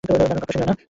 দারুণ আকর্ষণীয় না?